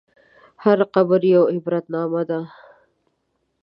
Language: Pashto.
هر قبر یوه عبرتنامه ده.